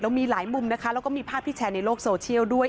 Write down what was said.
มีหลายมุมนะคะแล้วก็มีภาพที่แชร์ในโลกโซเชียลด้วย